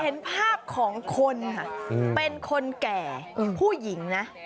เห็นภาพของคนค่ะเป็นคนแก่ผู้หญิงนะ